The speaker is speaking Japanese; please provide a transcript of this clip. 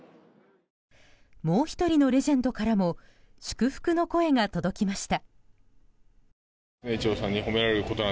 もう１人のレジェンドからも祝福の声が届きました。